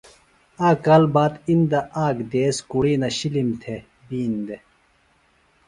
آک کال باد اِندہ آک دِیس کُڑِینہ شِلِم تھےۡ بِین دےۡ